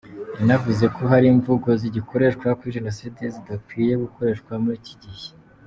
Yanavuze ko hari imvugo zigikoreshwa kuri Jenoside zidakwiye gukoreshwa muri iki gihe.